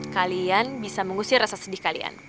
kalian bisa mengusir rasa sedih kalian